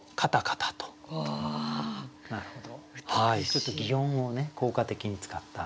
ちょっと擬音を効果的に使った。